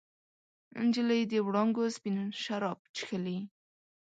نجلۍ د وړانګو سپین شراب چښلي